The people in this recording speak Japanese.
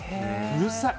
うるさい。